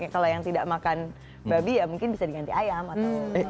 kalau yang tidak makan babi ya mungkin bisa diganti ayam atau